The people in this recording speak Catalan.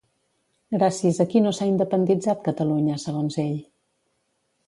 Gràcies a qui no s'ha independitzat Catalunya segons ell?